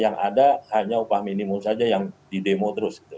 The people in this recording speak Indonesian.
yang ada hanya upah minimum saja yang di demo terus gitu